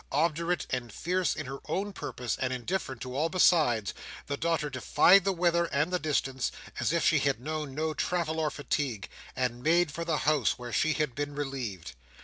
Obdurate and fierce in her own purpose, and indifferent to all besides, the daughter defied the weather and the distance, as if she had known no travel or fatigue, and made for the house where she had been relieved.